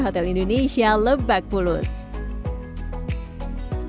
halte csw terkoneksi dengan empat halte transjakarta yakni halte csw dua csw dua asean dan kejaksaan agung